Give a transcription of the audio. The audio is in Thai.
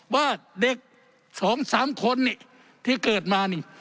ว่าเด็กสองสามคนเนี่ยที่เกิดมานี่